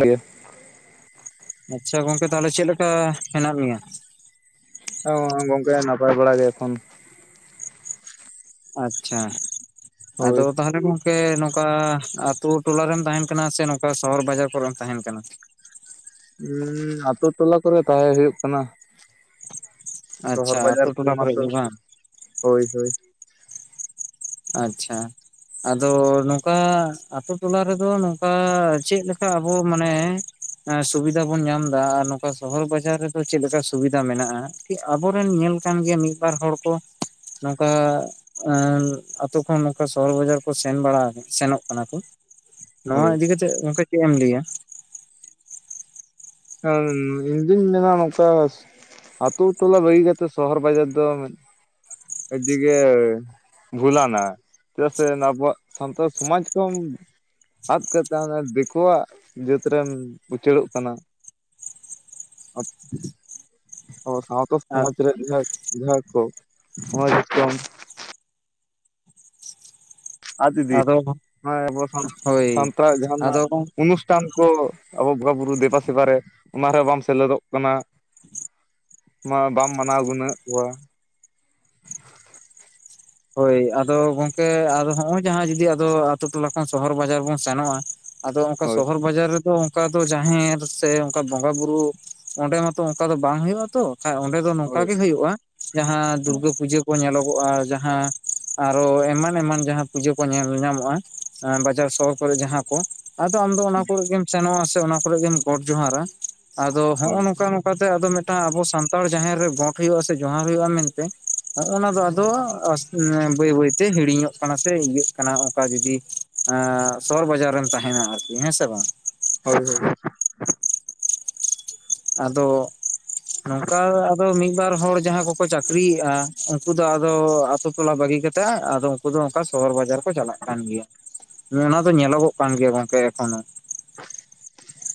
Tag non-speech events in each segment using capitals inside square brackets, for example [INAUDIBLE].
ᱜᱮ [UNINTELLIGIBLE] ᱟᱪᱪᱷᱟ ᱜᱚᱝᱠᱮ ᱛᱟᱦᱚᱞᱮ ᱪᱮᱫ ᱞᱮᱠᱟ ᱦᱮᱱᱟᱜ ᱢᱮᱭᱟ? ᱚ ᱜᱚᱝᱠᱮ ᱱᱟᱯᱟᱭ ᱵᱟᱲᱟ ᱜᱮ ᱮᱠᱷᱚᱱ᱾ ᱟᱪᱪᱷᱟ, ᱟᱫᱚ ᱦᱳᱭ ᱛᱟᱦᱚᱞᱮ ᱜᱚᱝᱠᱮ ᱱᱚᱝᱠᱟ ᱟᱛᱳ ᱴᱚᱞᱟᱨᱮᱢ ᱛᱟᱦᱮᱸᱱ ᱠᱟᱱᱟ ᱥᱮ ᱱᱚᱝᱠᱟ ᱥᱚᱦᱚᱨ ᱵᱟᱡᱟᱨ ᱠᱚᱨᱮᱢ ᱛᱟᱦᱮᱸᱱ ᱠᱟᱱᱟ? ᱩᱸ ᱟᱛᱳ ᱴᱚᱞᱟ ᱠᱚᱨᱮ ᱛᱟᱦᱮᱸ ᱦᱳᱭᱳᱜ ᱠᱟᱱᱟ᱾ ᱟᱪᱪᱷᱟ ᱥᱚᱦᱚᱨ ᱟᱛᱳ ᱵᱟᱡᱟᱨ ᱠᱚ ᱴᱚᱞᱟ ᱠᱚᱨᱮ ᱢᱟᱛᱚ, ᱜᱮ ᱵᱟᱝ [UNINTELLIGIBLE] ᱦᱳᱭ ᱦᱳᱭ ᱟᱪᱪᱷᱟ ᱟᱫᱚ ᱱᱚᱝᱠᱟ ᱟᱛᱳ ᱴᱚᱞᱟ ᱨᱮ ᱫᱚ ᱱᱚᱝᱠᱟ ᱪᱮᱫ ᱞᱮᱠᱟ ᱟᱵᱚ ᱢᱟᱱᱮ ᱦᱮᱸ ᱥᱩᱵᱤᱫᱟ ᱵᱚᱱ ᱧᱟᱢ ᱫᱟ ᱟᱨ ᱱᱚᱝᱠᱟ ᱥᱚᱦᱚᱨ ᱵᱟᱡᱟᱨ ᱨᱮ ᱫᱚ ᱪᱮᱫ ᱞᱮᱠᱟ ᱥᱩᱵᱤᱫᱟ ᱢᱮᱱᱟᱜᱼᱟ? ᱟᱵᱚ ᱨᱮᱱ ᱧᱮᱞ ᱠᱟᱱ ᱜᱮᱭᱟ ᱢᱤᱫ ᱵᱟᱨ ᱦᱚᱲ ᱠᱚ ᱱᱚᱝᱠᱟ ᱮᱢ᱾ ᱟᱛᱳ ᱠᱷᱚᱱ ᱱᱚᱝᱠᱟ ᱥᱚᱦᱚᱨ ᱵᱟᱡᱟᱨ ᱠᱚ ᱥᱮᱱ ᱵᱟᱲᱟᱣ [UNINTELLIGIBLE] ᱥᱮᱱᱚᱜ ᱠᱟᱱᱟ ᱠᱚ ᱱᱚᱣᱟ ᱦᱳᱭ ᱤᱫᱤ ᱠᱟᱛᱮᱜ ᱜᱚᱝᱠᱮ ᱪᱮᱫ ᱮᱢ ᱞᱟᱹᱭᱟ? ᱦᱸ ᱤᱧᱫᱩᱧ ᱢᱮᱱᱟ ᱱᱚᱝᱠᱟ ᱟᱛᱳ ᱴᱚᱞᱟ ᱵᱟᱹᱜᱤ ᱠᱟᱛᱮᱫ ᱥᱚᱦᱚᱨ ᱵᱟᱡᱟᱨ ᱫᱚ ᱟᱹᱰᱤ ᱜᱮ, ᱵᱷᱩᱞ ᱟᱱᱟ᱾ ᱪᱮᱫᱟᱜ ᱥᱮ ᱱᱚᱣᱟ ᱟᱵᱚᱣᱟᱜ ᱥᱟᱱᱛᱟᱲ ᱥᱚᱢᱟᱡ ᱠᱚ ᱟᱫ ᱠᱟᱛᱮ ᱚᱱᱟ ᱫᱤᱠᱳᱣᱟᱜ ᱡᱟᱹᱛ ᱨᱮᱢ ᱩᱪᱟᱹᱲᱚᱜ ᱠᱟᱱᱟ᱾ ᱟᱪ [UNINTELLIGIBLE] ᱚ ᱥᱟᱶᱛᱟ ᱟᱨ ᱥᱚᱢᱟᱡᱽ ᱨᱮ ᱡᱟᱦᱟᱸᱭ ᱡᱟᱦᱟᱸᱭ ᱠᱚ ᱦᱚᱸᱜ-ᱚᱭ [INAUDIBLE] ᱟᱨ ᱫᱤᱫᱤ ᱟᱫᱚ ᱱᱚᱜ-ᱚᱭ ᱟᱵᱚ [UNINTELLIGIBLE] ᱦᱳᱭ ᱥᱟᱱᱛᱟᱲ ᱡᱟᱦᱟᱸᱱᱟᱜ ᱟᱫᱚ ᱚᱱᱩᱥᱴᱷᱟᱱ ᱠᱚ ᱟᱵᱚ ᱵᱚᱸᱜᱟ ᱵᱩᱨᱩᱳ ᱫᱮᱵᱟ ᱥᱮᱵᱟ ᱨᱮ, ᱚᱱᱟ ᱨᱮᱦᱚᱸ ᱵᱟᱢ ᱥᱮᱞᱮᱫᱚᱜ ᱠᱟᱱᱟ᱾ ᱢᱟ ᱵᱟᱢ ᱢᱟᱱᱟᱣ ᱜᱩᱱᱟᱹᱭᱮᱜ ᱠᱚᱣᱟ᱾ ᱦᱳᱭ, ᱟᱫᱚ ᱜᱚᱝᱠᱮ ᱟᱫᱚ ᱦᱚᱸᱜᱼᱚᱭ ᱡᱟᱦᱟᱸ ᱡᱩᱫᱤ ᱟᱛᱳ ᱴᱚᱞᱟ ᱠᱷᱚᱱ ᱥᱚᱦᱚᱨ ᱵᱟᱡᱟᱨ ᱵᱚᱱ ᱥᱮᱱᱚᱜᱼᱟ ᱟᱫᱚ ᱚᱱᱠᱟ ᱦᱳᱭ ᱥᱚᱦᱚᱨ ᱵᱟᱡᱟᱨ ᱨᱮᱫᱚ ᱚᱱᱠᱟ ᱫᱚ ᱡᱟᱸᱦᱮᱨ ᱥᱮ ᱚᱱᱠᱟ ᱵᱚᱸᱜᱟ ᱵᱩᱨᱩ, ᱚᱸᱰᱮ ᱢᱟᱛᱚ ᱚᱱᱠᱟ ᱫᱚ ᱵᱟᱝ ᱦᱩᱭᱩᱜᱼᱟ ᱛᱚ᱾ ᱠᱷᱟᱡ ᱚᱸᱰᱮ ᱫᱚ ᱦᱳᱭ ᱱᱚᱝᱠᱟ ᱜᱮ ᱦᱩᱭᱩᱜᱼᱟ, ᱡᱟᱦᱟᱸ ᱫᱩᱨᱜᱟᱹ ᱯᱩᱡᱟᱹ ᱠᱚ ᱧᱮᱞᱚᱜᱚᱜᱼᱟ ᱡᱟᱦᱟᱸ ᱟᱨᱚ ᱮᱢᱟᱱ ᱮᱢᱟᱱ ᱡᱟᱦᱟᱸ ᱯᱩᱡᱟᱹ ᱠᱚ ᱧᱮᱞ ᱧᱟᱢᱚᱜᱼᱟ, ᱮᱸ ᱵᱟᱡᱟᱨ ᱥᱚᱦᱚᱨ ᱠᱚᱨᱮ ᱡᱟᱦᱟᱸ ᱠᱚ, ᱟᱫᱚ ᱟᱢ ᱫᱚ ᱚᱱᱟ ᱠᱚᱨᱮᱜ ᱜᱮᱢ ᱥᱮᱱᱚᱜᱼᱟ ᱥᱮ ᱚᱱᱟ ᱠᱚᱨᱮᱜ ᱜᱮᱢ ᱜᱚᱴ ᱡᱚᱸᱦᱟᱨᱟ ᱟᱫᱚ ᱦᱳᱭ ᱦᱚᱸᱜ-ᱚ ᱱᱚᱝᱠᱟ ᱱᱚᱝᱠᱟ ᱛᱮ ᱟᱫᱚ ᱢᱤᱫᱴᱟᱝ ᱟᱵᱚ ᱥᱟᱱᱛᱟᱲ ᱡᱟᱸᱦᱮᱨ ᱨᱮ ᱜᱚᱴ ᱦᱩᱭᱩᱜᱼᱟ ᱥᱮ ᱡᱚᱦᱟᱨ ᱦᱩᱭᱩᱜᱼᱟ ᱢᱮᱱᱛᱮ ᱦᱚᱜᱼᱚ ᱱᱟ ᱫᱚ ᱟᱫᱚ ᱟᱥ ᱚᱱᱮ ᱵᱟᱹᱭ ᱵᱟᱹᱭᱛᱮ ᱦᱤᱲᱤᱧᱚᱜ ᱠᱟᱱᱟ ᱥᱮ ᱤᱭᱟᱹᱜ ᱠᱟᱱᱟ ᱚᱱᱠᱟ ᱡᱩᱫᱤ ᱮᱸ ᱥᱚᱦᱚᱨ ᱵᱟᱡᱟᱨ ᱨᱮᱢ ᱛᱟᱦᱮᱱᱟ ᱟᱨᱠᱤ, ᱦᱮᱸ ᱥᱮ ᱵᱟᱝ? ᱦᱳᱭ ᱦᱳᱭ᱾ ᱟᱫᱚ ᱱᱚᱝᱠᱟ ᱟᱫᱚ ᱢᱤᱫ ᱵᱟᱨ ᱦᱚᱲ ᱡᱟᱦᱟᱸ ᱠᱚ ᱠᱚ ᱪᱟᱹᱠᱨᱤᱭᱮᱫᱼᱟ, ᱩᱱᱠᱩ ᱫᱚ ᱟᱫᱚ ᱟᱛᱳ ᱴᱚᱞᱟ ᱵᱟᱹᱜᱤ ᱠᱟᱛᱮ ᱟᱫᱚ ᱩᱱᱠᱩ ᱫᱚ ᱚᱱᱠᱟ ᱥᱚᱦᱚᱨ ᱵᱟᱡᱟᱨ ᱠᱚ ᱪᱟᱞᱟᱜ ᱠᱟᱱ ᱜᱮᱭᱟ, ᱚᱱᱟ ᱫᱚ ᱧᱮᱞᱚᱜᱚᱜ ᱠᱟᱱ ᱜᱮᱭᱟ ᱜᱚᱝᱠᱮ ᱮᱠᱷᱚᱱᱳ᱾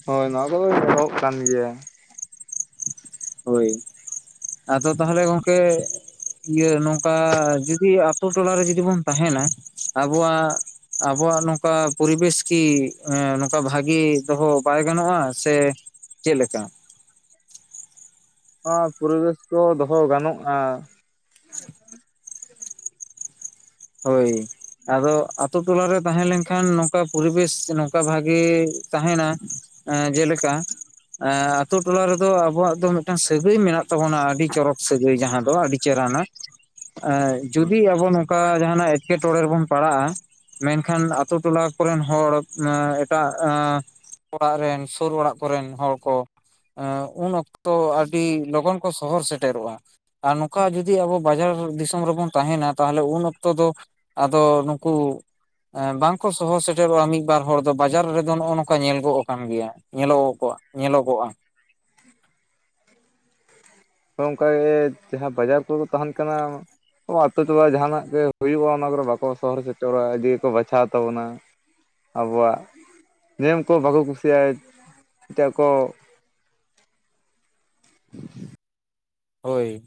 ᱦᱳᱭ ᱱᱚᱣᱟ ᱠᱚᱫᱚ ᱧᱮᱞᱚᱜ ᱠᱟᱱ ᱜᱮᱭᱟ᱾ ᱦᱳᱭ ᱟᱫᱚ ᱛᱟᱦᱚᱞᱮ ᱜᱚᱝᱠᱮ ᱤᱭᱟᱹ ᱱᱚᱝᱠᱟ ᱡᱩᱫᱤ ᱟᱛᱳ ᱴᱚᱞᱟᱨᱮ ᱡᱩᱫᱤ ᱵᱚᱱ ᱛᱟᱦᱮᱱᱟ, ᱟᱵᱚᱣᱟᱜ ᱟᱵᱚᱣᱟᱜ ᱱᱚᱝᱠᱟ ᱯᱚᱨᱤᱵᱮᱥ ᱠᱤ ᱮᱸ ᱱᱚᱝᱠᱟ ᱵᱷᱟᱜᱮ ᱫᱚᱦᱚ ᱵᱟᱭ ᱜᱟᱱᱚᱜᱼᱟ ᱥᱮ ᱪᱮᱫ ᱞᱮᱠᱟ? ᱟ ᱯᱚᱨᱤᱵᱮᱥ ᱫᱚ ᱫᱚᱦᱚ ᱜᱟᱱᱚᱜᱼᱟ᱾ ᱦᱳᱭ᱾ ᱟᱫᱚ ᱟᱹᱛᱩ ᱴᱚᱞᱟᱨᱮ ᱛᱟᱦᱮᱸ ᱞᱮᱱᱠᱷᱟᱱ ᱱᱚᱝᱠᱟ ᱯᱚᱨᱤᱵᱮᱥ ᱱᱚᱝᱠᱟ ᱵᱷᱟᱜᱮ ᱛᱟᱦᱮᱱᱟ᱾ ᱮᱸ ᱡᱮᱞᱮᱠᱟ ᱮᱸ ᱟᱛᱳ ᱴᱚᱞᱟ ᱨᱮᱫᱚ ᱟᱵᱚᱣᱟᱜ ᱫᱚ ᱢᱤᱫᱴᱟᱝ ᱥᱟᱹᱜᱟᱹᱭ ᱢᱮᱱᱟᱜ ᱛᱟᱵᱚᱱᱟ ᱟᱹᱰᱤ ᱪᱚᱨᱚᱠ ᱥᱟᱹᱜᱟᱹᱭ ᱡᱟᱦᱟᱸ ᱫᱚ ᱟᱹᱰᱤ ᱪᱮᱨᱦᱟᱱᱟ, ᱮᱸ ᱡᱩᱫᱤ ᱟᱵᱚ ᱱᱚᱝᱠᱟ ᱦᱟᱱᱟᱜ ᱮᱴᱠᱮᱴᱚᱬᱮ ᱨᱮᱵᱚᱱ ᱯᱟᱲᱟᱜᱼᱟ ᱢᱮᱱᱠᱷᱟᱱ ᱟᱛᱳ ᱴᱚᱞᱟ ᱠᱚᱨᱮᱱ ᱦᱚᱲ ᱮᱸ ᱮᱴᱟᱜ ᱮᱸ ᱚᱲᱟᱜ ᱨᱮᱱ ᱥᱩᱨ ᱚᱲᱟᱜ ᱠᱚᱨᱮᱱ ᱦᱚᱲ ᱠᱚ ᱮᱸ ᱩᱱ ᱚᱠᱛᱚ ᱟᱹᱰᱤ ᱞᱚᱜᱚᱱ ᱠᱚ ᱥᱚᱦᱚᱨ ᱥᱮᱴᱮᱨᱚᱜᱼᱟ᱾ ᱟᱨ ᱱᱚᱝᱠᱟ ᱡᱩᱫᱤ ᱟᱵᱚ ᱵᱟᱡᱟᱨ ᱫᱤᱥᱚᱢ ᱨᱮᱵᱚᱱ ᱛᱟᱦᱮᱱᱟ ᱛᱟᱦᱚᱞᱮ ᱩᱱ ᱚ ᱛᱚ ᱫᱚ ᱟᱫᱚ ᱱᱩᱠᱩ ᱮᱸ ᱵᱟᱝᱠᱚ ᱥᱚᱦᱚᱨ ᱥᱮᱴᱮᱨᱚᱜᱼᱟ ᱢᱤᱫ ᱵᱟᱨ ᱦᱚᱲ ᱫᱚ ᱵᱟᱡᱟᱨ ᱨᱮᱫᱚ ᱱᱚᱜᱼᱚ ᱱᱚᱝᱠᱟ ᱧᱮᱞ ᱜᱚᱜ ᱟᱠᱟᱱ ᱜᱮᱭᱟ᱾ ᱧᱮᱞᱚᱜ ᱠᱚᱜ-ᱟ ᱧᱮᱞᱚᱜᱚᱜᱼᱟ᱾ ᱛᱚ ᱚᱱᱠᱟᱜᱮ ᱡᱟᱦᱟᱸ ᱵᱟᱡᱟᱨ ᱠᱚᱨᱮᱠᱚ ᱛᱟᱦᱮᱱ ᱠᱟᱱᱟ ᱛᱚ ᱟᱛᱳ ᱴᱚᱞᱟ ᱡᱟᱦᱟᱸᱟᱱᱟᱜ ᱜᱮ ᱦᱩᱭᱩᱜᱼᱟ ᱚᱱᱟ ᱠᱚᱨᱮ ᱵᱟᱠᱚ ᱥᱚᱦᱚᱨ ᱥᱮᱴᱚᱨᱚᱜᱼᱟ ᱟᱰᱤ ᱜᱮᱠᱚ ᱵᱟᱪᱷᱟᱣ ᱛᱟᱵᱚᱱᱟ᱾ ᱟᱵᱚᱣᱟᱜ ᱱᱤᱭᱚᱢ ᱠᱚ ᱵᱟᱠᱚ ᱠᱩᱥᱤᱭᱟᱜᱼᱟ ᱮᱴᱟᱜ ᱠᱚ [INAUDIBLE] ᱦᱳᱭ,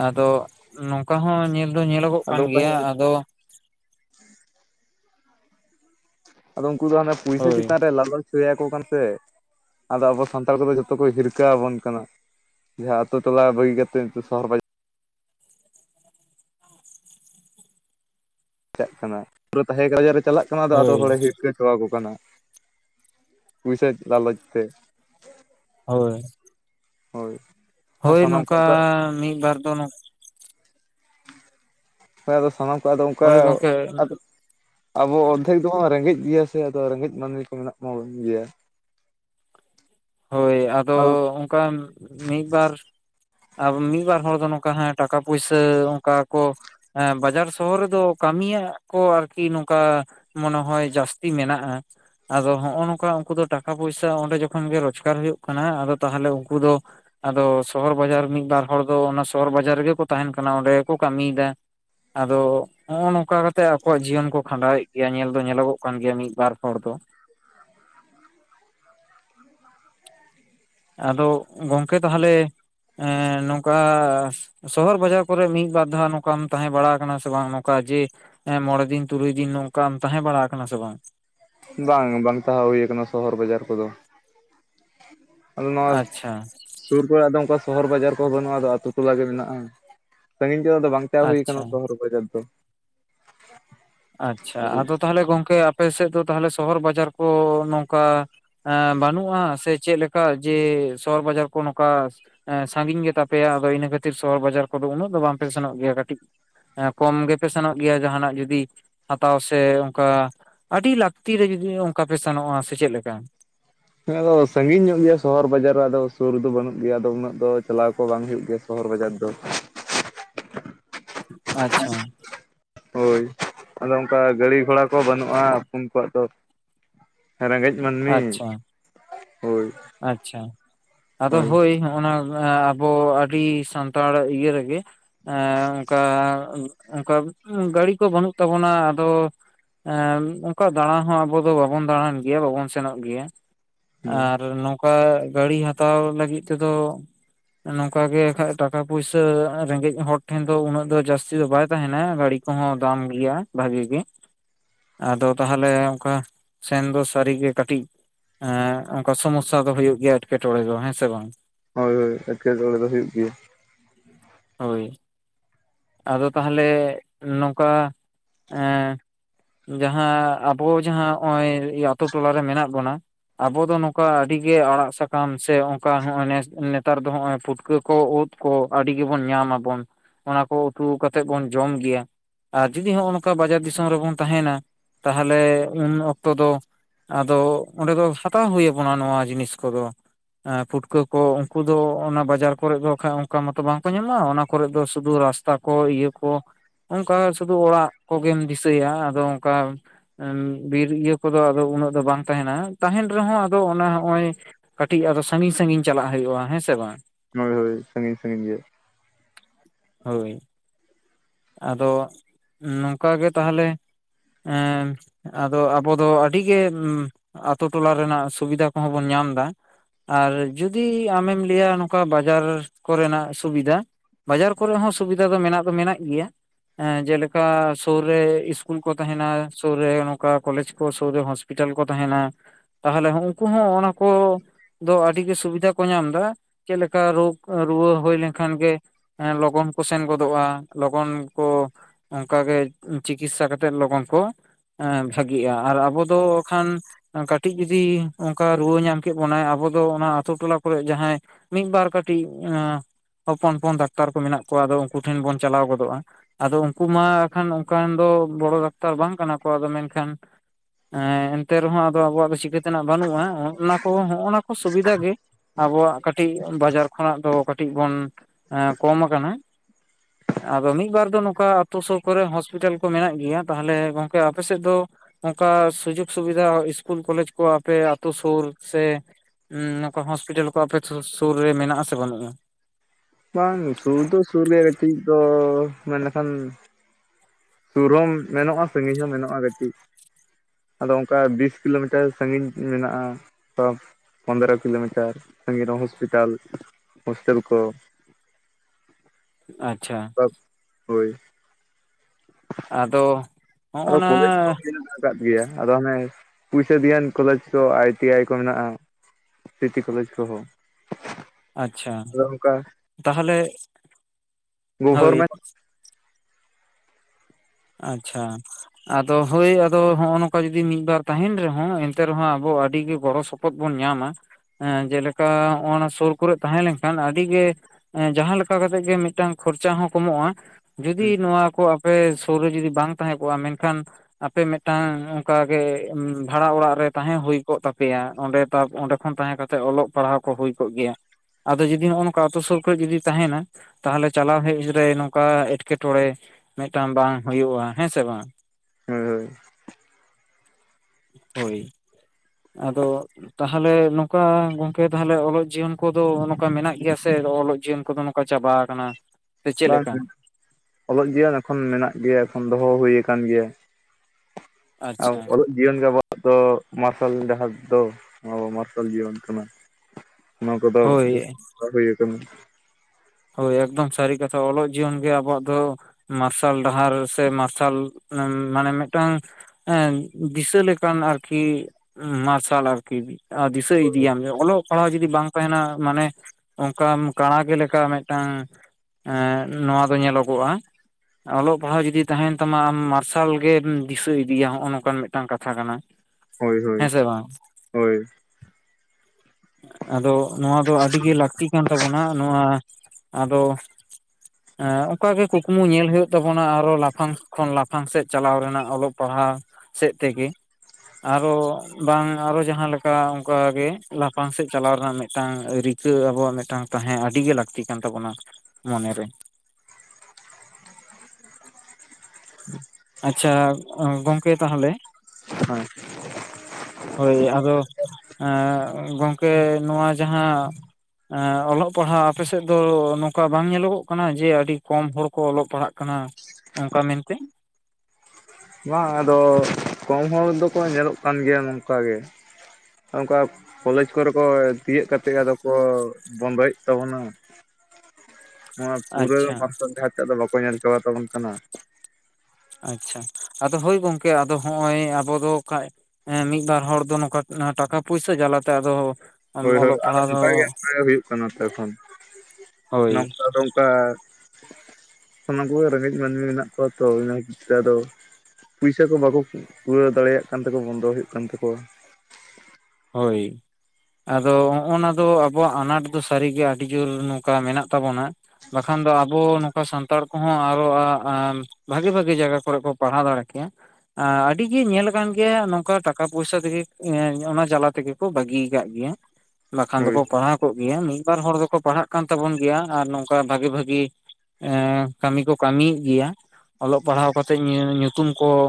ᱟᱫᱚ ᱱᱚᱝᱠᱟ ᱦᱚᱸ ᱧᱮᱞ ᱫᱚ ᱧᱮᱞᱚᱜᱚᱜ ᱟᱫᱚ ᱠᱟᱱ ᱚᱱᱠᱟ ᱜᱮᱭᱟ ᱟᱫᱚ ᱟᱫᱚ ᱩᱱᱠᱩ ᱫᱚ ᱦᱟᱱᱮ ᱯᱩᱭᱥᱟ ᱦᱳᱭ ᱪᱮᱛᱟᱱ ᱨᱮ ᱞᱟᱞᱚᱪ ᱥᱟᱹᱭ ᱟᱠᱚ ᱠᱟᱱ ᱥᱮ, ᱟᱫᱚ ᱟᱵᱚ ᱥᱟᱱᱛᱟᱲ ᱠᱚᱫᱚ ᱡᱷᱚᱛᱚ ᱠᱚ ᱦᱤᱨᱠᱟᱹ ᱟᱵᱚᱱ ᱠᱟᱱᱟ᱾ ᱡᱟᱦᱟᱸ ᱟᱛᱳ ᱴᱚᱞᱟ ᱵᱟᱹᱜᱤ ᱠᱟᱛᱮ ᱥᱚᱦᱚᱨ ᱵᱟᱡᱟᱨ ᱪᱟᱜ ᱠᱟᱱᱟ [INAUDIBLE] ᱨᱮ ᱪᱟᱞᱟᱜ ᱠᱟᱱᱟ ᱟᱫᱚ ᱟᱛᱳ ᱦᱳᱭ ᱦᱚᱲᱮ ᱦᱤ [UNINTELLIGIBLE] ᱯᱩᱭᱥᱟᱹ ᱞᱟᱞᱚᱪ ᱛᱮ᱾ ᱦᱳᱭ᱾ ᱦᱳᱭ᱾ ᱟᱨ ᱦᱳᱭ ᱥᱟᱱᱟᱢ ᱱᱚᱝᱠᱟ ᱠᱚᱣᱟᱜ ᱢᱤᱫ ᱵᱟᱨ ᱫᱚ ᱱᱚ ᱦᱳᱭ ᱟᱫᱚ ᱥᱟᱱᱟᱢ ᱠᱚ ᱟᱫᱚ ᱚᱱᱠᱟ ᱦᱳᱭ ᱜᱚᱝᱠᱮ ᱟᱫᱚ ᱟᱵᱚ ᱚᱫᱫᱷᱮᱠ ᱫᱚᱵᱚᱱ ᱨᱮᱸᱜᱮᱡ ᱜᱮᱭᱟ ᱥᱮ, ᱟᱫᱚ ᱨᱮᱸᱜᱮᱡ ᱢᱟᱱᱢᱤ ᱠᱚ ᱢᱮᱱᱟᱜ ᱢᱟᱵᱚᱱ ᱜᱮᱭᱟ᱾ ᱦᱳᱭ ᱟᱫᱚ ᱚᱱᱠᱟᱱ ᱢᱤᱫ ᱵᱟᱨ ᱟᱨ ᱢᱤᱫ ᱵᱟᱨ ᱦᱚᱲ ᱫᱚ ᱱᱚᱝᱠᱟ ᱦᱮᱸ ᱴᱟᱠᱟ ᱯᱩᱭᱥᱟᱹ ᱚᱱᱠᱟ ᱠᱚ ᱮᱸ ᱵᱟᱡᱟᱨ ᱥᱚᱦᱚᱨ ᱨᱮᱫᱚ ᱠᱟᱹᱢᱤᱭᱟᱜ ᱠᱚ ᱟᱨᱠᱤ ᱱᱚᱝᱠᱟ ᱢᱚᱱᱮᱦᱚᱭ ᱡᱟᱹᱥᱛᱤ ᱢᱮᱱᱟᱜᱼᱟ, ᱟᱫᱚ ᱦᱚᱸᱜᱼᱚ ᱱᱚᱝᱠᱟ ᱩᱱᱠᱩ ᱫᱚ ᱴᱟᱠᱟ ᱯᱚᱭᱥᱟ ᱚᱸᱰᱮ ᱡᱚᱠᱷᱚᱱ ᱜᱮ ᱨᱚᱡ ᱚᱡᱽᱜᱟᱨ ᱦᱩᱭᱩᱜ ᱠᱟᱱᱟ ᱟᱫᱚ ᱛᱟᱦᱚᱞᱮ ᱩᱱᱠᱩ ᱫᱚ ᱟᱫᱚ ᱥᱚᱦᱚᱨ ᱵᱟᱡᱟᱨ ᱢᱤᱫ ᱵᱟᱨ ᱦᱚᱲ ᱫᱚ ᱚᱱᱟ ᱥᱚᱦᱚᱨ ᱵᱟᱡᱟᱨ ᱨᱮᱜᱮ ᱠᱚ ᱛᱟᱦᱮᱱ ᱠᱟᱱᱟ ᱚᱸᱰᱮ ᱜᱮᱠᱚ ᱠᱟᱹᱢᱤᱭᱮᱫᱟ᱾ ᱟᱫᱚ ᱦᱚᱸᱜᱼᱚ ᱱᱚᱝᱠᱟ ᱠᱟᱛ ᱛᱮ ᱟᱠᱚᱣᱟᱜ ᱡᱤᱭᱚᱱ ᱠᱚ ᱠᱷᱟᱸᱰᱟᱣᱮᱫ ᱜᱮᱭᱟ ᱧᱮᱞ ᱫᱚ ᱧᱮᱞᱚᱜᱚᱜ ᱠᱟᱱ ᱜᱮᱭᱟ ᱢᱤᱫ ᱵᱟᱨ ᱦᱚᱲ ᱫᱚ᱾ ᱟᱫᱚ ᱜᱚᱝᱠᱮ ᱛᱟᱦᱚᱞᱮ ᱮᱸ ᱱᱚᱝᱠᱟ ᱥᱚᱦᱚᱨ ᱵᱟᱡᱟᱨ ᱠᱚᱨᱮᱜ ᱢᱤᱫ ᱵᱟᱨ ᱫᱷᱟᱣ ᱱᱚᱝᱠᱟᱢ ᱛᱟᱦᱮᱸ ᱵᱟᱲᱟ ᱠᱟᱱᱟ ᱥᱮ ᱵᱟᱝ ᱱᱚᱝᱠᱟ ᱡᱮ ᱮᱸ ᱢᱚᱚᱲᱮ ᱫᱤᱱ ᱛᱩᱨᱩᱭ ᱫᱤᱱ ᱱᱚᱝᱠᱟᱢ ᱛᱟᱦᱮᱸ ᱵᱟᱲᱟ ᱟᱠᱟᱱᱟ ᱥᱮ ᱵᱟᱝ? ᱵᱟᱝ ᱵᱟᱝ ᱛᱟᱦᱮᱸ ᱦᱩᱭ ᱠᱟᱱᱟ ᱥᱚᱦᱚᱨ ᱵᱟᱡᱟᱨ ᱠᱚᱫᱚ᱾ ᱟᱫᱚ ᱱᱚᱣᱟ ᱟᱪᱪᱷᱟ ᱥᱩᱨ ᱠᱚᱨᱮᱜ ᱫᱚ ᱚᱱᱠᱟ ᱥᱚᱦᱚᱨ ᱵᱟᱡᱟᱨ ᱠᱚᱦᱚᱸ ᱵᱟᱹᱱᱩᱜᱼᱟ ᱟᱛᱩ ᱴᱚᱞᱟ ᱜᱮ ᱢᱮᱱᱟᱜᱼᱟ, ᱥᱟᱺᱟᱹᱜᱤᱧ ᱠᱚᱫᱚ ᱟᱫᱚ ᱵᱟᱝ ᱪᱟᱣ ᱦᱩᱭ ᱟᱪᱪᱷᱟ ᱠᱟᱱᱟ ᱥᱚᱦᱚᱨ ᱵᱟᱡᱟᱨ ᱫᱚ᱾ ᱟᱪᱪᱷᱟ ᱟᱫᱚ ᱛᱟᱦᱚᱞᱮ ᱜᱚᱝᱠᱮ ᱟᱯᱮ ᱥᱮᱫ ᱫᱚ ᱛᱟᱦᱚᱞᱮ ᱥᱚᱦᱚᱨ ᱵᱟᱡᱟᱨ ᱠᱚ ᱱᱚᱝᱠᱟ ᱮᱸ ᱵᱟᱹᱱᱩᱜᱼᱟ ᱥᱮ ᱪᱮᱫᱞᱮᱠᱟ ᱡᱮ ᱥᱚᱦᱚᱨ ᱵᱟᱡᱟᱨ ᱠᱚ ᱱᱚᱝᱠᱟ ᱮᱸ ᱥᱟᱺᱜᱤᱧ ᱜᱮᱛᱟᱯᱮᱭᱟ ᱟᱫᱚ ᱤᱱᱟᱹ ᱠᱷᱟᱹᱛᱤᱨ ᱥᱚᱦᱚᱨ ᱵᱟᱡᱟᱨ ᱠᱚᱫᱚ ᱩᱱᱟᱹᱜ ᱫᱚ ᱵᱟᱝᱯᱮ ᱥᱮᱱᱚᱜ ᱜᱮᱭᱟ ᱠᱟᱹᱴᱤᱡ ᱮᱸ ᱠᱚᱢ ᱜᱮᱯᱮ ᱥᱮᱱᱚᱜ ᱜᱮᱭᱟ ᱡᱟᱦᱟᱸᱱᱟᱜ ᱡᱩᱫᱤ ᱦᱟᱛᱟᱣ ᱥᱮ ᱚᱱᱠᱟ ᱟᱹᱰᱤ ᱞᱟᱹᱠᱛᱤ ᱨᱮ ᱡᱩᱫᱤ ᱚᱱᱠᱟ ᱯᱮ ᱥᱮᱱᱚᱜᱼᱟ ᱥᱮ ᱪᱮᱫ ᱞᱮᱠᱟ? ᱦᱮᱸ ᱟᱫᱚ ᱥᱟᱺᱜᱤᱧ ᱧᱚᱜ ᱜᱮᱭᱟ ᱥᱚᱦᱚᱨ ᱵᱟᱡᱟᱨ ᱨᱮ ᱟᱫᱚ ᱥᱩᱨ ᱫᱚ ᱵᱟᱹᱱᱩᱜ ᱜᱮᱭᱟ ᱟᱫᱚ ᱩᱱᱟᱹᱜ ᱫᱚ ᱪᱟᱞᱟᱣ ᱠᱚ ᱵᱟᱝ ᱦᱩᱭᱩᱜᱭ ᱜᱮᱭᱟ᱾ ᱥᱚᱦᱚᱨ ᱵᱟᱡᱟᱨ ᱫᱚ᱾ ᱟᱪᱪᱷᱟ᱾ ᱦᱳᱭ, ᱟᱫᱚ ᱚᱱᱠᱟ ᱜᱟᱹᱲᱤ ᱜᱷᱚᱲᱟ ᱠᱚᱦᱚᱸ ᱵᱟᱹᱱᱩᱜᱼᱟ ᱟᱯᱚᱱ ᱠᱚᱣᱟᱜ ᱫᱚ᱾ ᱨᱮᱸᱜᱮᱡ ᱢᱟᱹᱱᱢᱤ ᱟᱪᱪᱷᱟ ᱦᱳᱭ᱾ ᱟᱪᱪᱷᱟ, ᱟᱫᱚ ᱦᱳᱭ ᱦᱚᱸᱜ-ᱚ ᱱᱚᱣᱟ ᱮᱸ ᱟᱵᱚ ᱟᱹᱰᱤ ᱥᱟᱱᱛᱟᱲ ᱤᱭᱟᱹ ᱨᱮᱜᱮ, ᱮᱸ ᱚᱱᱠᱟ ᱚᱱᱠᱟ ᱜᱟᱹᱲᱤ ᱠᱚ ᱵᱟᱹᱱᱩᱜ ᱛᱟᱵᱚᱱᱟ ᱟᱫᱚ ᱮᱸ ᱚᱱᱠᱟ ᱫᱟᱬᱟ ᱦᱚᱸ ᱟᱵᱚ ᱫᱚ ᱵᱟᱵᱚᱱ ᱫᱟᱬᱟᱱ ᱜᱮᱭᱟ ᱵᱟᱵᱚᱱ ᱥᱮᱱᱚᱜ ᱜᱮᱭᱟ᱾ ᱦᱳᱭ ᱟᱨ ᱟᱨ ᱱᱚᱝᱠᱟ ᱜᱟᱹᱲᱤ ᱦᱟᱛᱟᱣ ᱞᱟᱹᱜᱤᱫ ᱛᱮᱫᱚ ᱱᱚᱝᱠᱟ ᱜᱮ ᱠᱷᱟᱡ ᱴᱟᱠᱟ ᱯᱩᱭᱥᱟᱹ ᱨᱮᱸᱜᱮᱡ ᱦᱚᱲ ᱴᱷᱮᱱ ᱫᱚ ᱩᱱᱟᱹᱜ ᱫᱚ ᱡᱟᱹᱥᱛᱤ ᱫᱚ ᱵᱟᱭ ᱛᱟᱦᱮᱱᱟ ᱜᱟᱹᱲᱤ ᱠᱚᱦᱚᱸ ᱫᱟᱢ ᱜᱮᱭᱟ ᱵᱷᱟᱜᱮ ᱜᱮ᱾ ᱟᱫᱚ ᱛᱟᱦᱚᱞᱮ ᱚᱱᱠᱟ ᱥᱮᱱ ᱫᱚ ᱥᱟᱹᱨᱤᱜᱮ ᱠᱟᱹᱴᱤᱡ ᱮᱸ ᱚ ᱠᱟ ᱥᱚᱢᱚᱥᱥᱟ ᱫᱚ ᱦᱩᱭᱩᱜ ᱜᱮᱭᱟ ᱮᱴᱠᱮᱴᱚᱬᱮ ᱫᱚ, ᱦᱮᱸ ᱥᱮ ᱵᱟᱝ? ᱦᱳᱭ ᱦᱳᱭ ᱮᱠᱮᱴᱚᱬᱮ ᱫᱚ ᱦᱩᱭᱩᱜ ᱜᱮᱭᱟ᱾ ᱦᱳᱭ᱾ ᱟᱫᱚ ᱛᱟᱦᱚᱞᱮ ᱱᱚᱝᱠᱟ ᱮᱸ ᱡᱟᱦᱟᱸ ᱟᱵᱚ ᱡᱟᱦᱟᱸ ᱦᱚᱸᱜ-ᱚᱭ ᱤᱭᱟᱹ ᱟᱛᱳ ᱴᱚᱞᱟ ᱨᱮ ᱢᱮᱱᱟᱜ ᱵᱚᱱᱟ, ᱟᱵᱚ ᱫᱚ ᱱᱚ ᱠᱟ ᱟᱹᱰᱤ ᱜᱮ ᱟᱲᱟᱜ ᱥᱟᱠᱟᱢ ᱥᱮ ᱚᱱᱠᱟ ᱦᱚᱸᱜᱼᱚᱭ ᱱᱮᱥ ᱱᱮᱛᱟᱨ ᱫᱚ ᱦᱚᱸᱜᱼᱚᱭ ᱯᱷᱩᱴᱠᱟᱹ ᱠᱚ ᱩᱫ ᱠᱚ ᱟᱹᱰᱤ ᱜᱮᱵᱚᱱ ᱧᱟᱢ ᱟᱵᱚᱱ, ᱚᱱᱟ ᱠᱚ ᱩᱛᱩ ᱠᱟᱛᱮᱫ ᱵᱚᱱ ᱡᱚᱢ ᱜᱮᱭᱟ᱾ ᱟᱨ ᱡᱩᱫᱤ ᱦᱚᱸᱜᱼᱚ ᱱᱚᱝᱠᱟ ᱵᱟᱡᱟᱨ ᱫᱤᱥᱚᱢ ᱨᱮᱵᱚᱱ ᱛᱟᱦᱮᱱᱟ, ᱛᱟᱦᱚᱞᱮ ᱩᱱ ᱚᱠᱛᱚ ᱫᱚ ᱟᱫᱚ ᱚᱸᱰᱮ ᱫᱚ ᱦᱟᱛᱟᱣ ᱦᱩᱭ ᱟᱵᱚᱱᱟ ᱱᱚᱣᱟ ᱡᱤᱱᱤᱥ ᱠᱚᱫᱚ᱾ ᱯᱷᱩᱴᱠᱟᱹ ᱠᱚ ᱩᱱᱠᱩ ᱫᱚ ᱚᱱᱟ ᱵᱟᱡᱟᱨ ᱠᱚᱨᱮᱫ ᱫᱚ ᱵᱟᱠᱷᱟᱡ ᱚᱱᱠᱟ ᱢᱟᱛᱚ ᱵᱟᱝᱠᱚ ᱧᱟᱢᱚᱜᱼᱟ, ᱚᱱᱟ ᱠᱚᱨᱮ ᱫᱚ ᱥᱩᱫᱷᱩ ᱨᱟᱥ ᱛᱟ ᱠᱚ ᱤᱭᱟᱹ ᱠᱚ ᱚᱱᱠᱟ ᱥᱩᱫᱩ ᱚᱲᱟᱜ ᱠᱚᱜᱮᱢ ᱫᱤᱥᱟᱹᱭᱟ ᱟᱫᱚ ᱚᱱᱠᱟ ᱵᱤᱨ ᱤᱭᱟᱹ ᱠᱚᱫᱚ ᱟᱫᱚ ᱩᱱᱟᱹᱜ ᱫᱚ ᱵᱟᱝ ᱛᱟᱦᱮᱱᱟ ᱛᱟᱦᱮᱱ ᱨᱮᱦᱚᱸ ᱟᱫᱚ ᱚᱱᱟ ᱦᱚᱸᱜ-ᱚᱭ ᱠᱟᱹᱴᱤᱡ ᱥᱟᱜᱤᱧ ᱥᱟᱜᱤᱧ ᱪᱟᱞᱟᱜ ᱦᱩᱭᱩᱜᱼᱟ ᱦᱮᱸ ᱥᱮ ᱵᱟᱝ᱾ ᱦᱳᱭ ᱦᱳᱭ ᱥᱟᱺᱤᱧ ᱥᱟᱺᱜᱤᱧ ᱜᱮ᱾ ᱦᱳᱭ᱾ ᱟᱫᱚ ᱱᱚᱝᱠᱟᱟᱜᱮ ᱛᱟᱦᱚᱞᱮ ᱮᱸ ᱟᱫᱚ ᱟᱵᱚ ᱫᱚ ᱟᱹᱰᱤᱜᱮ ᱟᱛᱳ ᱴᱚᱞᱟ ᱨᱮᱱᱟᱜ ᱥᱩᱵᱤᱫᱷᱟ ᱠᱚᱦᱚᱸ ᱵᱚᱱ ᱧᱟᱢᱫᱟ᱾ ᱟᱨ ᱡᱩᱫᱤ ᱟᱢᱮᱢ ᱞᱟᱹᱭᱟ ᱱᱚᱝᱠᱟ ᱵᱟᱡᱟᱨ ᱠᱚᱨᱮᱱᱟᱜ ᱥᱩᱵᱤᱫᱷᱟ᱾ ᱵᱟᱡᱟᱨ ᱠᱚᱨᱮ ᱦᱚᱸ ᱥᱩᱵᱤᱫᱷᱟ ᱫᱚ ᱢᱮᱱᱟᱜ ᱫᱚ ᱢᱮᱱᱟᱜ ᱜᱮᱭᱟ᱾ ᱮᱸ ᱡᱮᱞᱮᱠᱟ ᱥᱩᱨ ᱨᱮ ᱤᱥᱠᱩᱞ ᱠᱚ ᱛᱟᱦᱮᱱᱟ ᱥᱩᱨ ᱨᱮ ᱱᱚᱝᱠᱟ ᱠᱚᱞᱮᱡᱽ ᱠᱚ ᱥᱩᱨ ᱨᱮ ᱦᱚᱥ ᱯᱤᱴᱟᱞ ᱠᱚ ᱛᱟᱦᱮᱱᱟ, ᱛᱟᱦᱚᱞᱮ ᱦᱚᱸ ᱩᱱᱠᱩ ᱦᱚᱸ ᱚᱱᱟ ᱠᱚ ᱫᱚ ᱟᱹᱰᱤᱜᱮ ᱥᱩᱵᱤᱫᱷᱟ ᱠᱚ ᱧᱟᱢᱫᱟ, ᱪᱮᱫᱞᱮᱠᱟ ᱨᱳᱜᱽ ᱨᱩᱣᱟᱹ ᱦᱩᱭ ᱞᱮᱱᱠᱷᱟᱱ ᱜᱮ ᱦᱮᱸ ᱞᱚᱜᱚᱱ ᱠᱚ ᱥᱮᱱ ᱜᱚᱫᱚᱜᱼᱟ, ᱞᱚᱜᱚᱱ ᱠᱚ ᱚᱱᱠᱟᱜᱮ ᱪᱤᱠᱤᱥᱥᱟ ᱠᱟᱛᱮᱜ ᱞᱚᱜᱚᱱ ᱠᱚ ᱮᱸ ᱵᱷᱟᱜᱤᱜᱼᱟ ᱟᱨ ᱟᱵᱚ ᱫᱚ ᱟᱠᱷᱟᱱ ᱠᱟᱹᱴᱤᱡ ᱡᱩᱫᱤ ᱚᱱᱠᱟ ᱨᱩᱣᱟᱹ ᱧᱟᱢ ᱠᱮᱫ ᱵᱚᱱᱟᱭ ᱟᱵᱚ ᱫᱚ ᱚᱱᱟ ᱟᱹᱛᱩ ᱴᱚᱞᱟ ᱠᱚᱨᱮᱜ ᱡᱟᱦᱟᱸᱭ ᱢᱤᱫ-ᱵᱟᱨ ᱠᱟᱹᱴᱤᱡ ᱦᱚᱯᱚᱱ ᱦᱚᱯᱚᱱ ᱰᱟᱠᱛᱟᱨ ᱠᱚ ᱢᱮᱱᱟᱜ ᱠᱚᱣᱟ ᱟᱫᱚ ᱩᱱᱠᱩ ᱴᱷᱮᱱ ᱵᱚᱱ ᱪᱟᱞᱟᱣ ᱜᱚᱫᱚᱜᱼᱟ᱾ ᱟᱫᱚ ᱩᱱᱠᱩ ᱢᱟᱠᱷᱟᱱ ᱚᱱᱠᱟᱱ ᱫᱚ ᱵᱚᱲᱚ ᱰᱟᱠᱛᱟᱨ ᱵᱟᱝ ᱠᱟᱱᱟ ᱠᱚ ᱟᱫᱚ ᱢᱮᱱᱠᱷᱟᱱ ᱮᱸ ᱮᱱᱛᱮ ᱨᱮᱦᱚᱸ ᱟᱫᱚ ᱟᱵᱚᱣᱟᱜ ᱫᱚ ᱪᱤᱠᱟᱹᱛᱮᱱᱟᱜ ᱵᱟᱹᱱᱩᱜᱼᱟ᱾ ᱚᱱ ᱚᱱᱟ ᱠᱚ ᱦᱚᱜᱼᱚᱱᱟ ᱠᱚ ᱥᱩᱵᱤᱫᱷᱟ ᱜᱮ ᱟᱵᱚᱣᱟᱜ ᱠᱟᱹᱴᱤᱡ ᱵᱟᱡᱟᱨ ᱠᱷᱚᱱᱟᱜ ᱫᱚ ᱠᱟᱹᱴᱤᱡ ᱵᱚᱱ ᱮᱸ ᱠᱚᱢ ᱟᱠᱟᱱᱟ᱾ ᱟᱫᱚ ᱢᱤᱫ ᱵᱟᱨ ᱫᱚ ᱱᱚᱝᱠᱟ ᱟᱹᱛᱩ ᱥᱩᱨ ᱠᱚᱨᱮ ᱦᱚᱥᱯᱤᱴᱟᱞ ᱠᱚ ᱢᱮᱱᱟᱜ ᱜᱮᱭᱟ᱾ ᱛᱟᱦᱞᱮ ᱜᱚᱝᱠᱮ ᱟᱯᱮ ᱥᱮᱫ ᱫᱚ ᱚᱱᱠᱟ ᱥᱩᱡᱳᱜᱽ ᱥᱩᱵᱤᱫᱷᱟ ᱤᱥᱠᱩᱞ ᱠᱚᱞᱮᱡᱽ ᱠᱚ ᱟᱯᱮ ᱟ ᱟᱹᱛᱩ ᱥᱩᱨ ᱥᱮ ᱩᱸ ᱱᱚᱝᱠᱟ ᱦᱚᱥᱯᱤᱴᱟᱞ ᱠᱚ ᱟᱯᱮ ᱥᱩᱨ ᱨᱮ ᱢᱮᱱᱟᱜ ᱟ ᱥᱮ ᱵᱟᱹᱱᱩᱜᱼᱟ? ᱵᱟᱝ ᱥᱩᱨ ᱫᱚ ᱥᱩᱨ ᱜᱮᱭᱟ ᱠᱟᱹᱴᱤᱡ ᱫᱚ ᱢᱮᱱ ᱞᱮᱠᱷᱟᱱ ᱥᱩᱨ ᱦᱚᱸᱢ ᱢᱮᱱᱚᱜᱼᱟ ᱥᱟᱺᱜᱤᱧ ᱦᱚᱸ ᱢᱮᱱᱟᱜᱼᱟ ᱠᱟᱹᱴᱤᱡ᱾ ᱟᱫᱚ ᱚᱱᱠᱟ ᱵᱤᱥ ᱠᱤᱞᱳᱢᱤᱴᱟᱨ ᱥᱟᱜᱤᱧ ᱢᱮᱱᱟᱜᱼᱟ ᱥᱚᱵ᱾ ᱯᱚᱱᱰᱚᱨ ᱠᱤᱞᱳᱢᱤᱴᱟᱨ ᱥᱟᱺᱜᱤᱧ ᱨᱮ ᱦᱥᱯᱤᱴᱟᱞ ᱦᱥᱴᱮᱞ ᱠᱚ᱾ ᱟᱪᱪᱷᱟ᱾ ᱦᱳᱭ᱾ ᱟᱫᱚ ᱟᱫᱚ ᱠᱚᱞᱮᱡᱽ ᱠᱚ ᱦᱚᱜᱼᱟᱱᱟ ᱢᱮᱱᱟᱜ ᱟᱠᱟᱫ ᱜᱮᱭᱟ ᱟᱫᱚ ᱦᱟᱱᱮ ᱯᱩᱭᱥᱟᱹ ᱫᱤᱭᱟᱱ ᱠᱚᱞᱮᱡᱽ ᱠᱚ ᱟᱭ ᱴᱤ ᱟᱭ ᱠᱚ ᱢᱮᱱᱟᱜ-ᱟ᱾ ᱥᱤᱴᱤ ᱠᱚᱞᱮᱡᱽ ᱠᱚᱦᱚᱸ᱾ ᱟᱪᱪᱷᱟ᱾ ᱟᱫᱚ ᱚᱱᱠᱟ ᱛᱟᱦᱚᱞᱮ ᱦᱳᱭ ᱜᱚᱵᱷᱚᱨᱢᱮᱱᱴ ᱟᱪᱪᱷᱟ᱾ ᱟᱫᱚ ᱦᱳᱭ ᱟᱫᱚ ᱱᱚᱜ-ᱚ ᱱᱚᱝᱠᱟ ᱡᱩᱫᱤ ᱢᱤᱫ ᱵᱟᱨ ᱛᱟᱦᱮᱱ ᱨᱮᱦᱚᱸ ᱮᱱᱛᱮ ᱨᱮᱦᱚᱸ ᱟᱵᱚ ᱟᱹᱰᱤ ᱜᱮ ᱜᱚᱲᱚ ᱥᱚᱯᱚ ᱥᱚᱯᱚᱫ ᱵᱚᱱ ᱧᱟᱢᱟ ᱮᱸ ᱡᱮᱞᱮᱠᱟ ᱦᱚᱸᱜ-ᱚᱱᱟ ᱥᱩᱨ ᱠᱚᱨᱮᱜ ᱛᱟᱦᱮᱸ ᱞᱮᱱᱠᱷᱟᱱ ᱟᱹᱰᱤᱜᱮ ᱮᱸ ᱡᱟᱦᱟᱸ ᱞᱮᱠᱟ ᱠᱟᱛᱮᱜ ᱜᱮ ᱢᱤᱫᱴᱟᱝ ᱠᱷᱚᱨᱪᱟ ᱦᱚᱸ ᱠᱚᱢᱚᱜ-ᱟ᱾ ᱡᱩᱫᱤ ᱱᱚᱣᱟ ᱠᱚ ᱟᱯᱮ ᱥᱩᱨ ᱨᱮ ᱡᱩᱫᱤ ᱵᱟᱝ ᱛᱟᱦᱮᱸ ᱠᱚᱜ-ᱟ, ᱢᱮᱱᱠᱷᱟᱱ ᱟᱯᱮ ᱢᱤᱫᱴᱟᱝ ᱚᱱᱠᱟᱜᱮ ᱵᱷᱟᱲᱟ ᱚᱲᱟᱜ ᱨᱮ ᱛᱟᱦᱮᱸ ᱦᱩᱭ ᱠᱚᱜ ᱛᱟᱯᱮᱭᱟ ᱚᱸᱰᱮ ᱛᱟᱵ ᱚᱸᱰᱮ ᱠᱷᱚᱱ ᱛᱟᱦᱮᱸ ᱠᱟᱛᱮᱜ ᱚᱞᱚᱜ ᱯᱟᱲᱦᱟᱣ ᱠᱚ ᱦᱩᱭ ᱠᱚᱜ ᱜᱮᱭᱟ᱾ ᱟᱫᱚ ᱡᱩᱫᱤ ᱦᱚᱸᱜᱼᱚ ᱱᱚᱝᱠᱟ ᱟᱛᱳ ᱥᱩᱨ ᱠᱚᱨᱮᱜ ᱡᱩᱫᱤ ᱛᱟᱦᱮᱱᱟ᱾ ᱛᱟᱦᱚᱞᱮ ᱪᱟᱞᱟᱣ ᱦᱮᱡ ᱨᱮ ᱱᱚᱝᱠᱟ ᱮᱴᱠᱮᱴᱚᱬᱮ ᱢᱤᱫᱴᱟᱝ ᱵᱟᱝ ᱦᱩᱭᱩᱜ-ᱟ, ᱦᱮᱸ ᱥᱮ ᱵᱟᱝ? ᱦᱳᱭ ᱦᱳᱭ᱾ ᱦᱳᱭ᱾ ᱟᱫᱚ ᱛᱟᱦᱚᱞᱮ ᱱᱚᱝᱠᱟ ᱜᱚᱝᱠᱮ ᱛᱟᱦᱚᱞᱮ ᱚᱞᱚᱜ ᱡᱤᱭᱚᱱ ᱠᱚᱫᱚ ᱱᱚᱝᱠᱟ ᱢᱮᱱᱟᱜ ᱜᱮᱭᱟ ᱥᱮ ᱚᱞᱚᱜ ᱡᱤᱭᱚᱱ ᱠᱚᱫᱚ ᱱᱚᱝ ᱪᱟᱵᱟ ᱠᱟᱱᱟ᱾ ᱵᱟᱝ [INAUDIBLE] ᱚᱞᱚᱜ ᱡᱤᱭᱚᱱ ᱮᱠᱷᱚᱱ ᱢᱮᱱᱟᱜ ᱜᱮᱭᱟ ᱮᱠᱷᱚᱱ ᱫᱚᱦᱚ ᱦᱩᱭ ᱟᱠᱟᱱ ᱜᱮᱭᱟ᱾ ᱟᱪᱪᱷᱟ [UNINTELLIGIBLE] ᱡᱤᱭᱚᱱ ᱜᱮ ᱟᱵᱚᱣᱟᱜ ᱫᱚ ᱢᱟᱨᱥᱟᱞ ᱰᱟᱦᱟᱨ ᱫᱚ ᱢᱟᱨᱥᱟᱞ ᱡᱤᱭᱚᱱ ᱠᱟᱱᱟ᱾ ᱚᱱᱟ ᱠᱚᱫᱚ ᱦᱳᱭ [INAUDIBLE] ᱦᱩᱭ ᱟᱠᱟᱱᱟ᱾ ᱦᱳᱭ ᱮᱠᱫᱚᱢ ᱥᱟᱹᱨᱤ ᱠᱟᱛᱷᱟ ᱚᱞᱚᱜ ᱡᱤᱭᱚᱱ ᱜᱮ ᱟᱵᱚᱣᱟᱜ ᱫᱚ ᱢᱟᱨᱥᱟᱞ ᱰᱟᱦᱟᱨ ᱥᱮ ᱢᱟᱨᱥᱟᱞ ᱢᱟᱱᱮ ᱢᱤᱫᱴᱟᱝ, ᱦᱮᱸ ᱫᱤᱥᱟᱹ ᱞᱮᱠᱟᱱ ᱟᱨᱠᱤ, ᱢᱟᱨᱥᱟᱞ ᱟᱨᱠᱤ ᱫᱤᱥᱟᱹ ᱤᱫᱤᱭᱟᱢ ᱚᱞᱚᱜ ᱯᱟᱲᱦᱟᱣ ᱡᱩᱫᱤ ᱵᱟᱝ ᱛᱟᱦᱮᱱᱟ ᱢᱟᱱᱮ ᱚᱱᱠᱟᱢ ᱠᱟᱸᱬᱮ ᱜᱮ ᱞᱮᱠᱟᱢ ᱢᱤᱫᱴᱟᱝ ᱮ ᱱᱚᱣᱟ ᱫᱚ ᱧᱮᱞᱚᱜᱚᱜᱼᱟ᱾ ᱚᱞᱚᱜ ᱯᱟᱲᱦᱟᱣ ᱡᱩᱫᱤ ᱛᱟᱦᱮᱱ ᱛᱟᱢᱟ ᱟᱢ ᱢᱟᱨᱥᱟᱞ ᱜᱮᱢ ᱫᱤᱥᱟᱹ ᱤᱫᱤᱭᱟ ᱱᱚᱜᱼᱚᱭ ᱱᱚᱝᱠᱟᱱ ᱢᱤᱫᱴᱟᱝ ᱠᱟᱛᱷᱟ ᱠᱟᱱᱟ᱾ [UNINTELLIGIBLE] ᱦᱳᱭ ᱦᱮᱸ ᱦᱳᱭ, ᱥᱮ ᱵᱟᱝ ᱦᱳᱭ᱾ ᱟᱫᱚ ᱱᱚᱣᱟ ᱫᱚ ᱟᱹᱰᱤᱜᱮ ᱞᱟᱹᱠᱛᱤ ᱠᱟᱱ ᱛᱟᱵᱚᱱᱟ, ᱱᱚᱣᱟ ᱟᱫᱚ [UNINTELLIGIBLE] ᱚᱱᱠᱟ ᱜᱮ ᱠᱩᱠᱢᱩ ᱧᱮᱞ ᱦᱩᱭᱩᱜ ᱛᱟᱵᱚᱱᱟ ᱟᱨᱚ ᱞᱟᱯᱷᱟᱝ ᱠᱷᱚᱱ ᱞᱟᱯᱷᱟᱝ ᱥᱮᱫ ᱪᱟᱞᱟᱣ ᱨᱮᱱᱟᱜ, ᱚᱞᱚᱜ ᱯᱟᱲᱦᱟᱣ᱾ ᱥᱮᱫ ᱛᱮᱜᱮ ᱟᱨᱚ ᱵᱟᱝ ᱟᱨᱚ ᱡᱟᱦᱟᱸ ᱞᱮᱠᱟ ᱚᱱᱠᱟᱜᱮ ᱞᱟᱯᱷᱟᱝ ᱥᱮᱫ ᱪᱟᱞᱟᱣ ᱨᱮᱱᱟᱜ ᱢᱤᱫᱴᱟᱝ ᱨᱤ ᱠᱟᱹ ᱟᱵᱚᱣᱟᱜ ᱢᱤᱫᱴᱟᱝ ᱛᱟᱦᱮᱸ ᱟᱹᱰᱤ ᱜᱮ ᱞᱟᱹᱠᱛᱤ ᱠᱟᱱ ᱛᱟᱵᱚᱱᱟ ᱢᱚᱱᱮ ᱨᱮ᱾ ᱟᱪᱪᱷᱟ ᱜᱚᱝᱠᱮ ᱛᱟᱦᱚᱞᱮ, ᱦᱮᱸ ᱦᱳᱭ ᱟᱫᱚ ᱜᱚᱝᱠᱮ ᱱᱚᱣᱟ ᱡᱟᱦᱟᱸ ᱚᱞᱚᱜ ᱯᱟᱲᱦᱟᱜ ᱟᱯᱮᱥᱮᱫ ᱫᱚ ᱱᱚᱝᱠᱟ ᱵᱟᱝ ᱧᱮᱞᱚᱜᱚᱜ ᱠᱟᱱᱟ ᱡᱮ ᱟᱹᱰᱤ ᱠᱚᱢ ᱦᱚᱲ ᱠᱚ ᱚᱞᱚᱜ ᱯᱟᱲᱦᱟᱜ ᱠᱟᱱᱟ᱾ ᱠᱟᱱᱟ ᱚᱱᱠᱟ ᱢᱮᱱᱛᱮ᱾ ᱵᱟᱝ ᱟᱫᱚ ᱠᱚᱢ ᱦᱚᱲ ᱫᱚᱠᱚ ᱧᱮᱞᱚᱜ ᱠᱟᱱ ᱜᱮᱭᱟ ᱱᱚᱝᱠᱟ ᱜᱮ ᱱᱚᱝᱠᱟ ᱠᱚᱞᱮᱡᱽ ᱠᱚᱨᱮ ᱠᱚ ᱛᱤᱭᱚᱜ ᱠᱟᱛᱮ ᱜᱮ ᱟᱫᱚ ᱠᱚ ᱵᱚᱱᱫᱚᱭᱮᱫ ᱛᱟᱵᱚᱱᱟ᱾ [UNINTELLIGIBLE] ᱱᱚᱣᱟ ᱯᱩᱨᱟᱹ ᱟᱪᱪᱷᱟ [UNINTELLIGIBLE] ᱡᱟᱦᱟᱸᱴᱟᱜ ᱫᱚ ᱵᱟᱠᱚ ᱧᱮᱞ ᱪᱟᱵᱟ ᱛᱟᱵᱚᱱ ᱠᱟᱱᱟ᱾ ᱟᱪᱪᱷᱟ, ᱟᱫᱚ ᱦᱳᱭ ᱜᱚᱝᱠᱮ ᱟᱫᱚ ᱦᱚᱸᱜᱼᱚᱭ ᱟᱵᱚ ᱫᱚ ᱠᱷᱟᱡ ᱦᱮᱸ ᱢᱤᱫᱵᱟᱨ ᱦᱚᱲ ᱫᱚ ᱱᱚᱝᱠᱟ ᱴᱟᱠᱟ ᱯᱩᱭᱥᱟ ᱡᱟᱞᱟᱛᱮ ᱟᱫᱚ ᱦᱳᱭ ᱦᱳᱭ ᱚᱞᱚᱜ ᱟᱫᱚ ᱯᱟᱲᱦᱟᱣ ᱫᱚ ᱚᱱᱠᱟ ᱜᱮ ᱚᱱᱠᱟ ᱜᱮ ᱦᱩᱭᱩᱜ ᱠᱟᱱᱟ ᱛᱚ ᱮᱠᱷᱚᱱ ᱦᱳᱭ ᱱᱚᱛᱮ ᱠᱷᱚᱱ ᱚᱱᱠᱟ ᱥᱟᱱᱟᱢ ᱠᱚᱜᱮ ᱨᱮᱸᱜᱮᱡ ᱢᱟᱹᱱᱢᱤ ᱢᱮᱱᱟᱜ ᱠᱚᱣᱟ ᱛᱚ ᱤᱱᱟᱹ ᱠᱷᱟᱹᱛᱤᱨ ᱛᱮ ᱟᱫᱚ ᱯᱩᱭᱥᱟ ᱠᱚ ᱵᱟᱠᱚ ᱠᱩᱲᱟᱹᱣ ᱫᱟᱲᱮᱭᱟᱜ ᱠᱟᱱ ᱛᱟᱠᱚᱣᱟ ᱵᱚᱱᱫᱚ ᱦᱩᱭᱩᱜ ᱠᱟᱱ ᱛᱟᱠᱚᱣᱟ᱾ ᱦᱳᱭ ᱟᱫᱚ ᱱᱚᱜ-ᱚ ᱱᱟ ᱫᱚ ᱟᱵᱚᱣᱟᱜ ᱟᱱᱟᱴ ᱫᱚ ᱥᱟᱹᱨᱤᱜᱮ ᱟᱹᱰᱤ ᱡᱳᱨ ᱱᱚᱝᱠᱟ ᱢᱮᱱᱟᱜ ᱛᱟᱵᱚᱱᱟ᱾ ᱵᱟᱠᱷᱟᱱ ᱫᱚ ᱟᱵᱚ ᱱᱚᱝᱠᱟ ᱥᱟᱱᱛᱟᱲ ᱠᱚᱦᱚᱸ ᱟᱨᱚ ᱵᱷᱟᱜᱤ ᱵᱷᱟᱜᱤ ᱡᱟᱭᱜᱟ ᱠᱚᱨᱮ ᱠᱚ ᱯᱟᱲᱦᱟᱣ ᱫᱟᱲᱮ ᱠᱮᱭᱟ᱾ ᱟᱹᱰᱤ ᱜᱮ ᱧᱮᱞ ᱟᱠᱟᱱ ᱜᱮᱭᱟ ᱱᱚᱝᱠᱟ ᱴᱟᱠᱟ ᱯᱚᱭᱥᱟ ᱛᱮᱜᱮ [UNINTELLIGIBLE] ᱡᱟᱞᱟ ᱛᱮᱜᱮ ᱠᱚ ᱵᱟᱹᱜᱤ ᱟᱠᱟᱫ ᱜᱮᱭᱟ᱾ ᱵᱟᱠᱷᱟᱱ ᱦᱳᱭ ᱫᱚᱠᱚ ᱯᱟᱲᱦᱟᱣ ᱠᱚᱜ ᱜᱮᱭᱟ, ᱢᱤᱫᱵᱟᱨ ᱦᱚᱲ ᱫᱚᱠᱚ ᱯᱟᱲᱦᱟᱜ ᱠᱟᱱ ᱛᱟᱵᱚᱱ ᱜᱮᱭᱟ ᱟᱨ ᱱᱚᱝᱠᱟ ᱵᱷᱟᱜᱤ ᱵᱷᱟᱜᱤ ᱠᱟᱹᱢᱤ ᱠᱚ ᱠᱟᱹᱢᱤᱭᱮᱫ ᱜᱮᱭᱟ, ᱚᱞᱚᱜ ᱯᱟᱲᱦᱟᱣ ᱠᱟᱛᱮᱫ ᱧᱩᱛᱩᱢ ᱠᱚ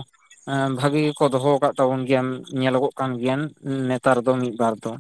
ᱵᱷᱟᱹᱜᱤ ᱜᱮᱠᱚ ᱫᱚᱦᱚ ᱟᱠᱟᱫ ᱛᱟᱵᱚᱱ ᱜᱮᱭᱟ ᱧᱮᱞᱚᱜᱚᱜ ᱠᱟᱱ ᱜᱮᱭᱟ ᱱᱮᱛᱟᱨ ᱫᱚ ᱢᱤᱫᱵᱟᱨ ᱫᱚ᱾